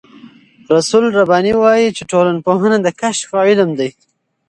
رسول رباني وايي چې ټولنپوهنه د کشف علم دی.